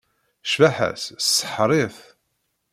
Cbaḥa-s tseḥḥer-it.